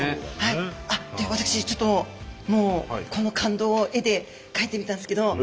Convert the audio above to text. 私ちょっともうこの感動を絵で描いてみたんですけど。